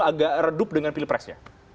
agak redup dengan pilpresnya